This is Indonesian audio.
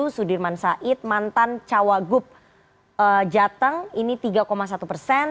sudirman said mantan cawagup jateng ini tiga satu persen